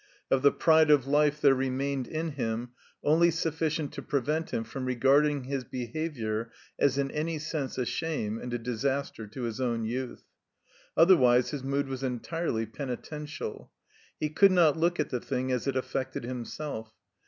Of the pride of life there remained in him only sufficient to prevent him from regarding his behavior as in any sense a shame and a disaster to his own youth. Otherwise his mood was entirely penitential. He cotdd not look at the thing as it affected himself.